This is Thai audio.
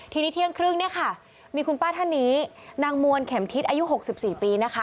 ทีนี้เที่ยงครึ่งเนี่ยค่ะมีคุณป้าท่านนี้นางมวลเข็มทิศอายุ๖๔ปีนะคะ